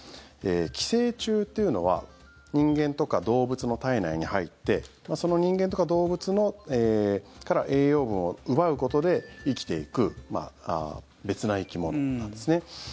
寄生虫というのは人間とか動物の体内に入ってその人間とか動物から栄養分を奪うことで生きていく別な生き物なんですね。